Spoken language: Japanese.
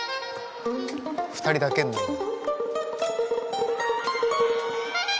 ２人だけになるの。